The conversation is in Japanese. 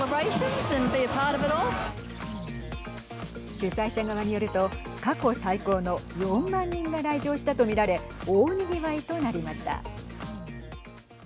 主催者側によると過去最高の４万人が来場したと見られ大にぎわいとなりました。